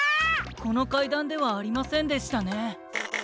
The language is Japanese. このかいだんではありませんでしたね。